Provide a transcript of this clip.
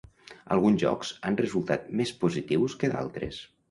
Alguns jocs han resultat més positius que d'altres.